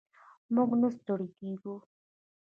موږ نه ستړي کیږو.